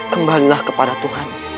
kembalilah kepada tuhan